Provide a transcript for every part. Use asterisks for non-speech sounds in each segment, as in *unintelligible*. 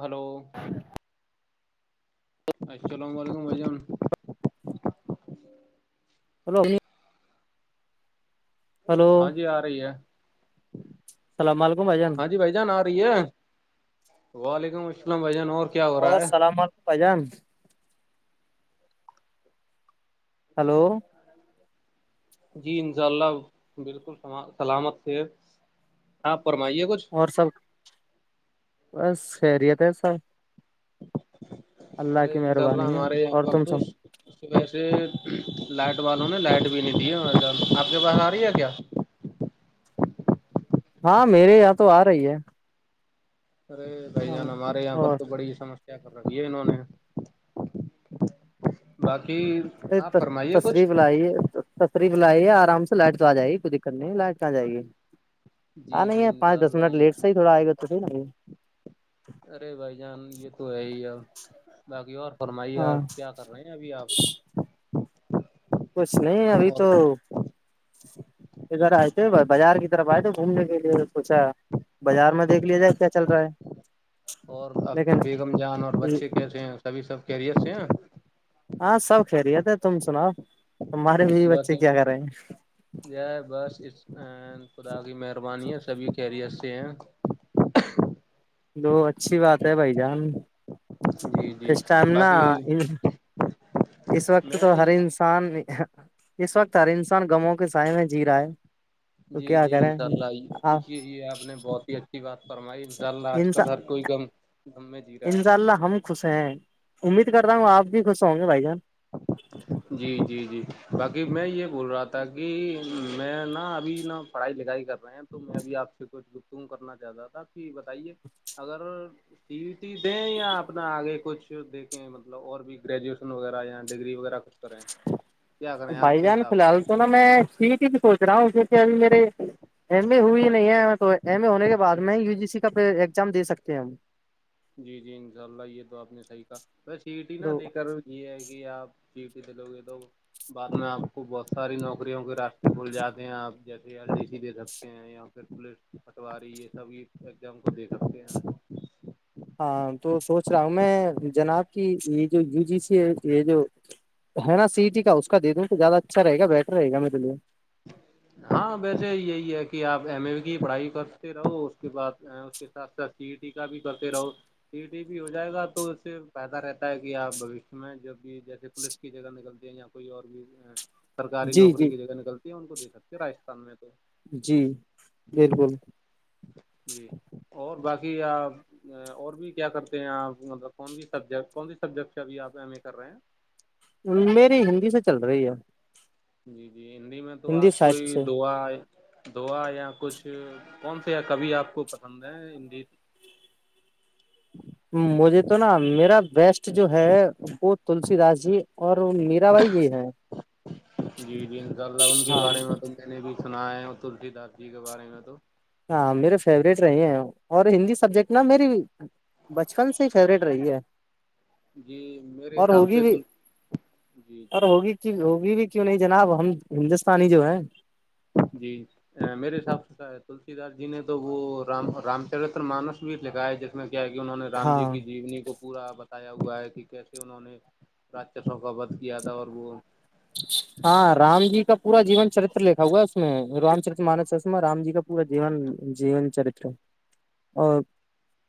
hello السلام علیکم بھائی جان ہیلو امی ہلو ہاں جی آ رہی ہے السلام علیکم بھائی جان ہاں جی بھائی جان آ ہے وعلیکم السلام بھائی جان اور کیا ہو رہا اور ہے سلام علیکم بھائی جان ہلو جی ان شاء اللہ بالکل سلامت سے آپ فرمائیے کچھ اور سب بس خیریت ہے سب اللہ ارے کی انشاء اللہ مہربانی ہے ہمارے یہاں اور کل تم توس سب ویسے لائٹ والوں نے لائٹ بھی نہیں دی ہے بھائی جان آپ کے پاس آ رہی ہے کیا ہاں میرے یہاں تو آ رہی ہے ارے بھائی ہاں جان ہمارے یہاں پر اور تو بڑی سمس کیا کر رکھی ہے انہوں نے باقی یہ آپ فرمائیے کچھ تشریف لائی ہے تشریف لائیے آرام سے لائٹ تو آ جائیے کوئی دقت نہیں لائٹ تو آ جائیے جی ہاں جی نہیں ہے انشاء پانچ دس اللہ منٹ یہ لیٹ سے ہی تھوڑا آئے گا تو نا ارے بھائی جان یہ تو ہے ہی اب باقی اور فرمائی یار ہاں کیا کر رہے ہیں ابھی آپ کچھ نہیں ابھی اور تو جگر آے تھے بزار اس طرف ایے تھے گومنے کے لیے سوچا بازار میں دیکھ لیا جائے کیا چل رہا ہے اور آپ کی لیکن بیگم جان اور بچے کیسے ہیں سبھی سب خیریت سے ہیں ہاں سب خیریت ہیں تم سناؤ تمہارے بیوی بس بچے کیا کر رہے ہیں یہ ہے بس اس خدا کی مہربانی ہے سبھی خیریت سے ہیں دو اچھی بات ہے بھائی جان جی جی اس ٹائم نا باقی اس وقت میں تو ہر انس انسان اس وقت ہر انسان غموں کے سائے میں جی رہا ہے تو جی کیا جی کریں انشاء اللہ آپ کی یہ آپ نے بہت ہی اچھا کی بات فرمائی انشاء اللہ آج انشاء کل ہر کوئی غم میں جی رہا ہے انشاء اللہ ہم خوش ہیں امید کر رہا ہوں آپ بھی خوش ہوں گے بھائی جان *unintelligible* جی جی جی باقی میں یہ بول رہا تھا کہ میں نا ابھی نا پڑھائی لکھائی کر رہے ہیں تو میں بھی آپ سے کچھ گفتگو کرنا چاہتا تھا کہ بتائیے اگر ٹی و ٹی دیں یا اپنا آگے کچھ دیکھیں مطلب اور بھی گریجویشن وغیرہ یا ڈگری وغیرہ کچھ کریں کیا کریں آپ بھائی کے جان فی حساب سے الحال تو نا میں سی یی ٹی ہی سوچ رہا ہوں کیونکہ ابھی میرے ایم اے ہوئی ہی نہیں ہے تو ایم اے ہونے کے بعد میں ہی یو جی سی کا پھر ایگزام دے سکتے ہیں جی جی انشاء اللہ یہ تو آپ نے صحیح کہا بس سی یو ٹی نا تو دے کر یہ ہے کہ آپ سی یوٹی دے دو گے تو بعد میں آپ کو بہت ساری نوکریوں کے راستے کھول جاتے ہیں آپ جیسے ایل ڈی سی دے سکتے ہیں یا پھر پولیس پٹواری یہ سب یہ ایگزام کو دے سکتے ہیں ہاں تو سوچ رہا ہوں میں جناب کی یہ جو یو جی سی ہے یہ جو ہے نا سی ٹی کا اس کا دے دوں تو زیادہ اچھا رہے گا بیٹر رہ گا میرے لیے ہاں ویسے یہی ہے کہ آپ ایم اے کی پڑھائی کرتے رہو اس کے بعد کے ساتھ ساتھ سی ٹی کا بھی کرتے رہو ٹیٹی بھی ہو جائے گا تو اس سے فائدہ رہتا ہے کہ آپ بوشیہ میں جو بھی جیسے پولیس کی جگہ نکلتی ہیں کوئی اور بھی سرکاری جی نوکری جی کی جگہ نکلتی ہے ان کو دے سکتے ہیں راجستھان میں تو جی بالکل جی اور باقی آ اور بھی کیا کرتے ہیں آپ مطلب کون س سبجیکٹ کون س سبجیکٹ سے ابھی آپ ایم اے کر رہے ہیں میری ہندی سے چل رہی ہے جی جی ہندی میں تو ہندی آپ سائٹ کوئی سے دعا دھوا یا کچھ کون سے کوئی آپ کو پسند ہیں ہڈی مجھے تو نا میرا بیسٹ جو ہے وہ تلسی داس جی اور میرا بائی یہ ہے جی جی انشاء اللہ ان کے ہاں بارے میں تو میں نے بھی سنایا ہے تلسی دس جی کے بارے میں تو ہاں میرے فیوریٹ رہے ہیں اور ہندی سبجیکٹ نا میری بچپن سے ہی فیوریٹ رہی ہے جی میرے اور حساب ہوگی سے تو جی جی وہ ہوگی بھی کیوں نہیں جناب ہم ہندوستانی جو ہے جی میرے حساب سے کیا ہے تلسی دس جی نے تو وہ رام رام چرتر مانس بھی لکھا جیس میں کیا کہ انہوں نے رام جی ہاں کی جیونی کو پورا بتایا ہوا ہے کہ کیسے انہوں نے رکشاسو کاا ود کیا تھا اور وہ *unintelligible* ہاں رام جی کا پورا جیون چرتر لکھا ہوا ہے اس میں رام چرت مانس اس میں رام جی کا پورا جیون جیون چرتر اور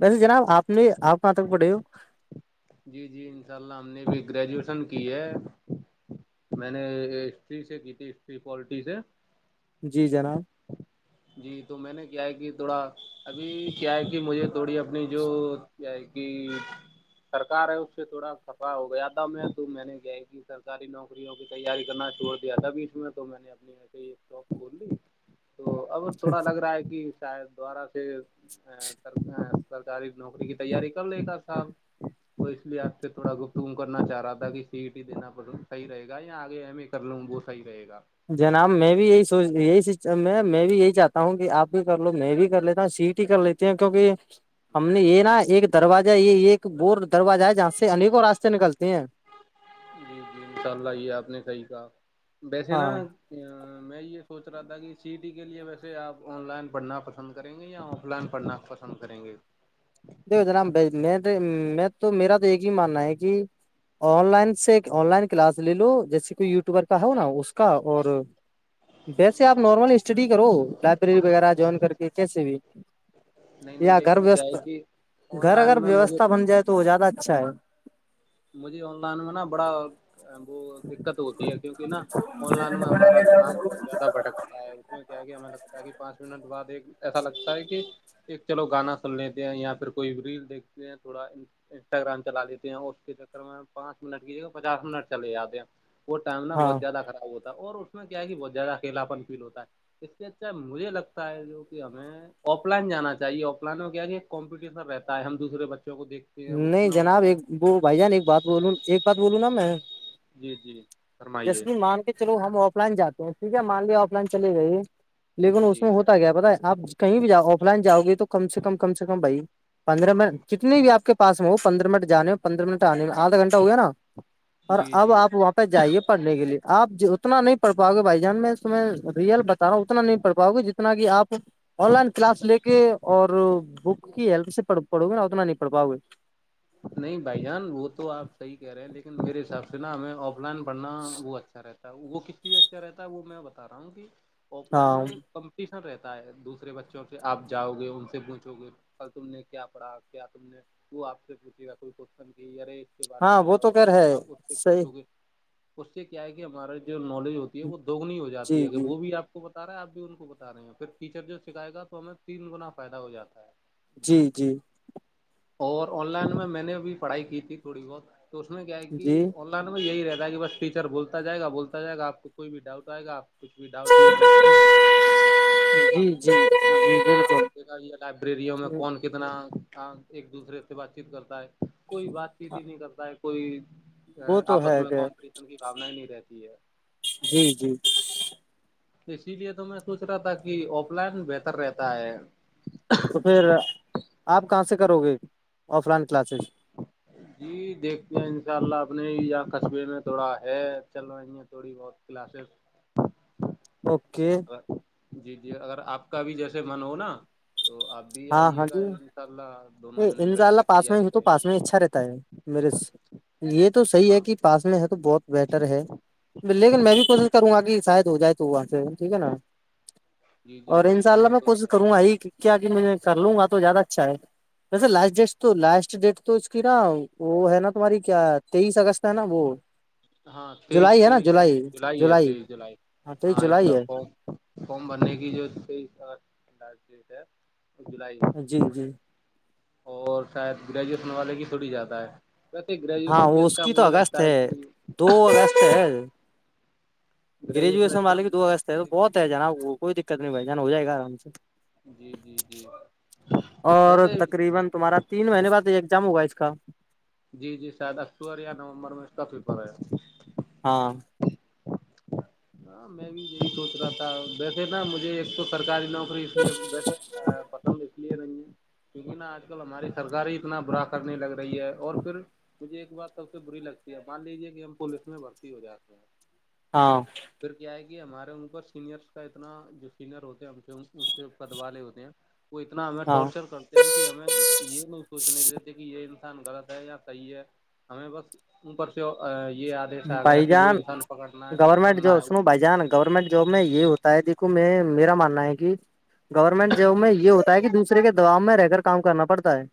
ویسے جناب آپ نے آپ کہاں تک پڑے ہو جی جی انشاء اللہ ہم نے بھی گریجویشن کی ہے میں نے ہسٹری سے کی تھی ہٹری پالٹی سے جی جناب جی تو میں نے کیا ہے کہ تھوڑا ابھی کیا ہے کہ مجھے تھوڑی اپنی جو کیا ہے کہ سرکار ہے اس سے تھوڑا کفا ہو گیا تھا میں تو میں نے کیا ھی کی سرکاری نوکریوں کی تیاری کرنا چھوڑ دیا تھا بیچ میں تو میں نے اپنی ایک شپ کھول لی تو اب تھوڑا لگ رہا ہے کہ شاید دوبارہ سے سر سرکاری نوکری کی تیاری کر لے ایک ات سال وہ اس لیے آپ سے تھوڑا گفتگو کرنا چاہ رہا تھا کہ سیٹی دینا صحی رہے گا یا آگے ایم ائے کر لوں وہ صحی رہے گا جناب میں بھی یہی سوچ یہی میں بھی یہی چاہتا ہوں کہ آپ بھی کر لو میں بھی کر لیتا ہوں سیٹ ہی کر لیتا کیونکہ ہم نے یہ نا ایک دروجہ یہ ایک تو بور دروازہ ہے جہاں سے انیکوں راستے نکلتی ہیں جی جی انشاء اللہ یہ آپ نے صحیح کہا ویسے نا ہاں میں یہ سوچ رہا تھا کہ سیٹی کے لیے ویسے آپ آن لائن پڑھنا پسند کریں گے یا آف لائن پڑھنا پسند کریں گے دیکھو جناب میں میں تو میرا تو ایک ہی ماننا ہے کہ آن لائن سے آن لائن کلاس لے لو جیسے کوئی یوٹیوبر کا ہو نا اس کا اور ویسے آپ نارمل اسٹڈی کرو لائبریری وغیرہ جوائن کر کے کیس بھی نہیں نہیں یا گھر لیکن گائے ویوستھ گھر اگر ویوستھا بن جائے تو وہ زیادہ اچھا ہے مجھے آن لائن میں نا بڑا وہ دقت ہوتی کیک نا آن لائن میں ہمارا دماغ بہت زیادہ بھکتا ہے کیا کہ ہمیں لگتا ہے کہ پانچ منٹ بعد ایک ایسا لگتا ہے کہ ایک چلو گانا سن لیتے ہیں یا پھر کوئی ریل دیکھتے ہیں تھوڑا انسٹاگرام چلا لیتے ہیں اور اس کے چکر میں پانچ منٹ کی پچاس منٹ چل جاتے ہیں وہ ائما ہاں بہت زیاد خراب ہوا ہے اور اس میں کیا ہے کہ بہت زیادہ اکیلاپن فیل ہوتا ہے اس کے اچھا مجھے لگتا ہے جو کہ ہمیں آف لائن جانا چاہے آف لائن میں کیا ایک کمپٹیشن رہتا ہے ہم دوسرے بچوں کو دیکھ نہیں جناب ایک وہ بھائی جان ایک بات بول ایک بات بولوں نا میں جی جی فرمائیے جیسے مان کے چلو ہم آف لائن جاتے ہیں ٹھیک ہے مان ل آف لائن چلی گئی لیکن اس جی میں ہوتا کیایا پتا ہے آپ کہیں بھی ج آف لائن جاؤ گے تو کم سے کم کم سے کم بھائی پندرہ منٹ جت بھی آپ کے پس میں ہو پندرہ منٹ جانے پندر منٹ آھا گھنہ ہوئے نا اور جی اب جی آپ واںپس جائیے پڑھنے کے لیے آپ اتنا نہیں پڑھ پاؤ گے بھائی جان میں تو میں رئل بتا رہا ہوں اتنا نہیں پڑ پاؤ گی جتنا کہ آپ آن لائن کلاس لے کے اور بک کی ہیلپ سے پڑھو گے نہ اتنا نہیں پڑھ پاؤ گے نہیں بھائی جان وہ تو آپ صحیح کہہ رہے ہیں لیکن میرے حساب سے نا ہمیں آ آف لائن پڑھنا وہ اچھا رہتا ہے وہ کتنی اچھا رہتا ہے وہ میں بتا رہا ہوں کہ آف لائن ہاں میں کمپٹیشن رہتا ہے دوسرے بچوں سے آپ جاؤ گے ان سے پوچھو گے کل تم نے کیا پڑھا کیا تم نے وہ آپ پوچھیے گا کوئی کوشچن کہ یارے اس کے بارے میں ہاں وہ بتاؤ تو خیر ہے آپ صحیح اسگے اس سے کیا ہے کہ ہمارے جو نالج ہوتی ہے وہ دوگنی ہو جاتی جی ہے ا جی وہ بھی آپ کو بتا رہا ہے آپ بھی ان کو بتا رہے ہیں پھر ٹیچر جو سکھائے گا تو ہمیں تین گنا فائدہ ہو جاتا ہے جی جی اور آن لائن میں میں نے ابھی پڑھائی کی تھی تھوڑی بہت تو اس میں کیا ہے کہ جی آن میں یہی رہتا ہے کہ بس ٹیچر بولتا جائے گ بولتا جائے گا آ کوئی بھی ڈاؤٹ آئے گا آ کچھ بھی ڈاؤٹ نہیں پوچھ سکتے آپ جی جی نے جی آپ نے کیا بالکل دیکھا یہ لائبریریوں میں کون کتنا ایک دوسرے سے بات چیت کرتا ہے کوئی بات چیت ہی نہیں کرتا ہے کوئی وہ تو آپس ہے میں کہ کون کسم کی بھونا ہی نہیں رہتی ہے جی جی اسی لیے تو میں سوچ رہا تھا کہ آف لائن بہتر رہتا ہے تو پھر آپ کہاں سے کرو گے آف لائن کلاسز جی دیکھتے ہیں ان شاء اللہ اپنے یا قصبے میں تھوڑا ہے چل رہا تھوڑی بہت کلاسز اوکے جی جی اگر آپ کا بھی جیسے من ہو نا تو آپ بھی ہاں ہاں آئیے گا جی ان شاء اللہ دونوں جنے انشاء بیٹھے اللہ پاس میں ہو تو پاس میں اچھا رہتا ہے میرے سے یہ تو صحیح ہے ہاں کہ پاس میں تو بہت بہٹر ہے لیکن میں بھی کوشش کروں گا کہ شاید ہو جائے تو آ ٹھیک ہے نا جی جی اور ان وہی شاء تو اللہ میں سوچ کش رہا کروں آ تھا ہی کیا کہ مجھے کر لوں گا تو زیادہ اچھا ہے ویسے لاسٹ ڈیٹ تو لاسٹ ڈیٹ تو اس کی نا وہ ہے نا تمہاری کیا تیئیس اگست ہے نا بول ہاں تیئیس تیئیس جولائی ہے تیئیس جولائی تو یہ ہاں اس جولائی کا ہے ف فارم بھرنے کی جو ت ہے وہ جولائی جی جی اور شاید گریجویشن والے کی چھوڑ ہی جاتا ہے ویسے ہاں گریجویشن پہ وہ اس اچا کی تو مجھے اگست لگتا ہے کہ دو اگست گریویس میں گریجویشن اچھا والے کی مجھے دو اگست ہے لگتا تو بہت ہے کہ جناب وہ کوئی دقت نہیں بھائی جانا ہو جائے گا آرام سے جی جی جی ویسے *unintelligible* تین مہینے بعد ایگزام ہوا اس کا جی جی شاید اکتوبر یا نومبر میں اس کا فیپر ہے ہاں ہاں میں بھی یہی سوچ رہا تھا ویسے نا مجھے ایک تو سرکاری نو اس لیے وسے پسند اس لیے نہیں ہے کیونکہ نا آج کل ہماری سرک ہی اتنا برا کرنے لگ رہی ہے اور پھر مجھے ایک بات سب سے بری لگتی ہے مان لیجیے کہ ہم پولیس میں بھرتی ہو جاتے ہیں ہاں پھر کیا ہے کہ ہمارے اوپر سینئرس کا اتنا جو سینئر ہوتے ہیں سے ان سے پد والے ہوتے ہیں وہ اتنا ہمیں ہاں ٹورچر کر کہ ہمیں یہ نہیں سوچنے دیتے کہ یہ انسان غلط ہے یا صحیح ہے ہمیں بس اوپر سے یہ آدیش آ گیا بھائی کہ وہ انسان پکڑنا ہے تو پکڑنا ہے بھ جان گورنمنٹ جاب میں یہ ہوتا ہے دیکھو میں میرا ماننا ہے کہ گورنمنٹ جاب میں یہ ہوتا ہے کہ دوسرے کے دباؤ میں رہ کر کام کرنا پڑتا ہے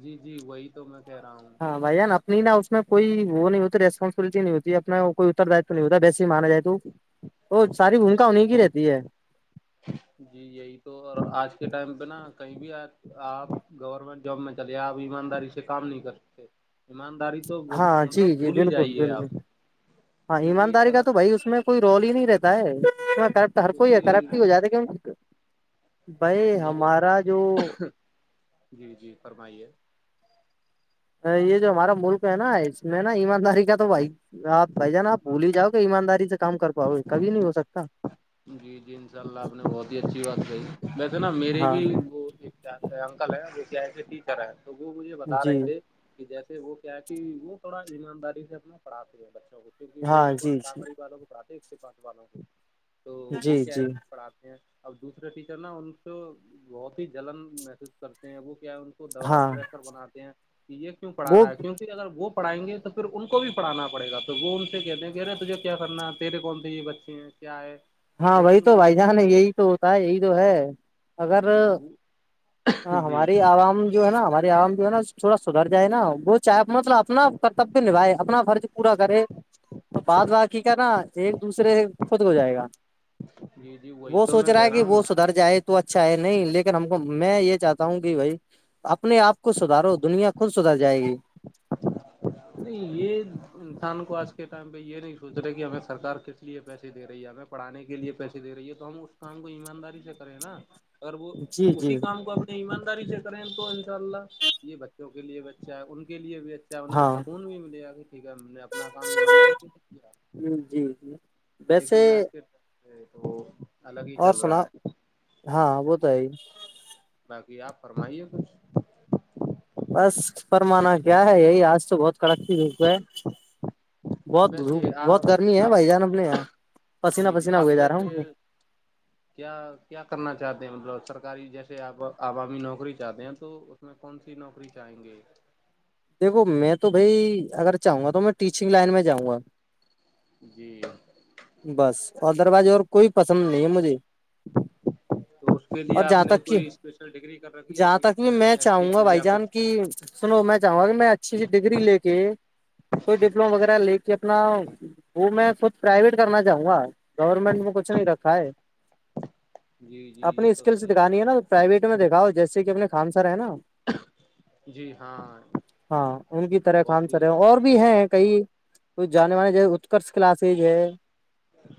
جی جی وہی تو میں کہہ رہا ہوں ہاں بھائی ا اپنی نا اس میں کوئی وہ نہیں ہوتی ریسپانسبلٹی نہیں ہوتی اپنا کوئی اتر دی س نہیں ہوتا ویسے ہی مانا جائے تو وہ ساری بھومکا ہونے کی رہتی ہے *unintelligible* جی یہی تو اور آج کے ٹائم پہ نا کہیں بھی آ آپ گورنمنٹ جاب میں چلے آپ ایمانداری سے کام نہیں کر سکتے ایمانداری سے ہاں جی جی بالکل بالکل ہاں کیونکہ ایمانداری کا اگر تو بھائی اس میں کوئی رول ہی نہیں رہتا ہے کرٹ ہر کوئی ہے کیونکہ کرپٹ ہی ہو جاتا کی بھائی میرے ہمارا جو جی جی فرمائیے یہ جو ہمارا ملک ہے نا اس میں نا ایمانداری کا تو بھائی آپ بھائی جانا آپ بھلی ہی جاؤ ایمانداری سے کام کر پاؤ کبھی نہیں ہو سکتا جی جی انشاء اللہ آپ نے بہت ہی اچھی بات کہی ویسے نا میری ہاں بھی وہ چتے انکل ہے کے ٹیچر ہے تو وہ مجھے بتا جی رہے تھے کہ جیسے وہ کیا ہے کہ وہ تھوڑا ایمانداری سے اپنا پڑھاتے ہیں بچوں کو کیونکہ وہ ہاں ایک جی جی کامری والوں کو کھاتے اس کے پاس والوں کو تو وہ جی کیا ہے جی پڑھاتے ہیں اب دوسرے ٹیچر نا ان کو بہت ہی جلن محسوس کرتے ہیں وہ کیا ہے دوبا ہاں پریشر بناتے ہیں کہ یہ کیوں پڑھا وہ رہا ہے کیونک اگر وہ پڑائیں گے تو پھر ان کو بھی پڑھانا پڑ گا تو وہ ان سے کہتے ہیں کہ ارے تجھے کیا کرنا ہے تیرے کون تھے یہ بچے کیا ہے ہاں وہی لیکن تو وہ بھائی یہ جان یہی تو ہوتا ہے یہی تو ہے اگر بھی ہ جی ہماری عوام جو ہے نا ہماری عوام نا تھوڑا سدھر جائے نا وہ چاہے مطلب اپنا کرتبیہ نبھائے اپنا فرض پورا کرے تو بعد بعد کی کرناا ایک دوسرے خود ہو جائے گا ی جی وہی وہ تو سوچ میں رہا کہہ ہے کہ وہ ہوں سدھر جائے تو اچھا ہے نہیں لیکن ہم کو میں یہ چاہتا ہوں کہ بھائی اپنے آپ کو سدارو دنیا خود سدار جائے گی نہیں یہ انسان کو آج کے ٹائم پہ یہ نہیں سوچ رہے کہ ہمیں سرکار کس لیے پیسے دے رہی ہے ہمیں پڑھانے کے لیے پیسے دے رہی ہے تو ہم اس کام کو ایمانداری سے کریں نا اگر وہ جی جی اسی کام کو اپنے ایمانداری سے کریں تو انشاء اللہ یہ بچوں لیے بھی اچھا ہے ان کے لیے بھی اچھا انہیں ہاں سکون بھی ملیا کہ ٹھیک ہے ہم نے اپنا کام ایمانداری کی سکتی ہے جی جی ویسے لیکن آج کے تو الگ ہی اور چل سنا رہا ہاں وہ تو ہے باقی آپ فرمائیے کچھ بس فرمانا کیا ہے یہی آج تو بہت کڑک کی دپ ہے بہت ویسے دھپ بہت آپ گرمی ہے آپ بھائی جان اپنے یہاں پسینہ جی جی پسینہ آپ ہوئے جا رہا ہوں ویسے کیا کیا کرنا چاہتے ہیں مطلب سرکاری جیسے آپ عوامی نوکری چاہتے ہیں تو اس میں کون سی نوکری چاہیں گے دیکھو میں تو بھائی اگر چاہوں گا تو میں ٹیچنگ لائن میں جاؤں گا جی بس ادر وائز اور کوئی پسند نہیں ہے مجھے *unintelligible* تو اس پہ اور دیا آپ جہاں نے تک کہ کوئی اسپیشل ڈگری کر رکھی ہے جہاں تک بھی میں ایس ٹی چاہوں س گا بھائی یا جان کچھ کی سنو میں چاہوں گا کہ میں اچھی اچھی ڈگری لے کے کوئی ڈپلوما وغیرہ لے کے اپنا وہ میں خود پرائیویٹ کرنا چاہوں گا گورنمنٹ میں کچھ نہیں رکھا ہے جی جی اپنی یہ تو اسکلس صحیح کا دکھانی ہے نا پرائیویٹ میں دیکاؤ جیسے کہ اپنے خان سا ہے نا جی ہاں ہاں ان کی طرح کان بہت سرے ہی اور بھی ہیں کئی ک جانے والے جگ کس کلاسز ہے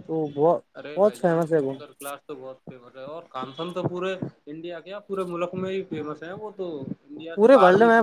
وہ بہت بہت فیمس ہے وہ تو کلاس تو بہت فیمس ہے اور کانسن تو پورے انڈیا کے پورے ملک میں ہی فیمس ہیں وہ تو انڈیا سے پورے باہر ورلڈ بھی میں